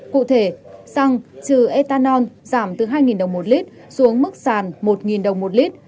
cụ thể xăng trừ ethanol giảm từ hai đồng một lít xuống mức sàn một đồng một lít